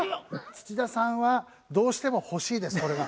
土田さんはどうしても欲しいですこれが。